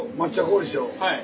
はい。